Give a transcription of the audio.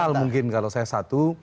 hal mungkin kalau saya satu